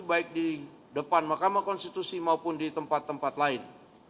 baik di depan mahkamah konstitusi maupun di tempat tempat lain